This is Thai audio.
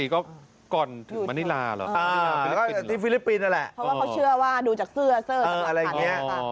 ๒๔ก็ก่อนถึงมะนิลาหรอที่ฟิลิปปินอ่ะแหละเค้าว่าเขาเชื่อว่าดูจากเสื้อเสื้ออะไรอย่างเงี้ย